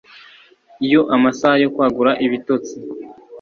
Iyo amasaha yo kwagura ibitotsi